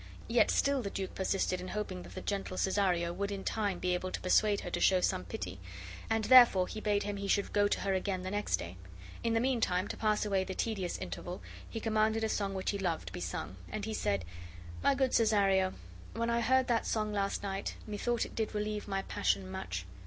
Yet still the duke persisted in hoping that the gentle Cesario would in time be able to persuade her to show some pity, and therefore he bade him he should go to her again the next day. In the mean time, to pass away the tedious interval, he commanded a song which he loved to be sung; and he said: "My good Cesario, when I heard that song last night, methought it did relieve my passion much.